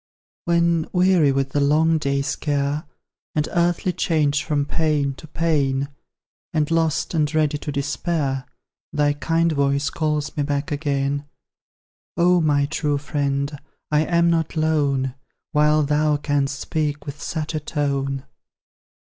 When weary with the long day's care, And earthly change from pain to pain, And lost, and ready to despair, Thy kind voice calls me back again: Oh, my true friend! I am not lone, While then canst speak with such a tone!